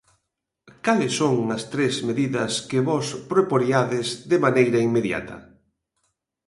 Cales son as tres medidas que vós proporiades de maneira inmediata?